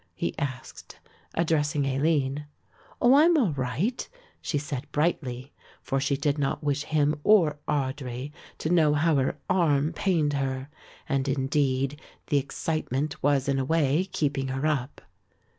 he asked, addressing Aline. "Oh, I am all right," she said brightly, for she did not wish him or Audry to know how her arm pained her, and indeed the excitement was in a way keeping her up.